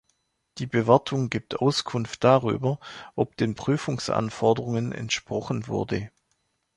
Die Bewertung gibt Auskunft darüber, ob den Prüfungsanforderungen entsprochen wurde.